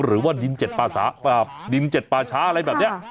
หรือว่าดินเจ็ดปาชาอะไรแบบนี้